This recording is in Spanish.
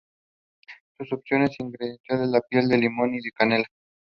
Son opcionales ingredientes la piel de limón y la canela.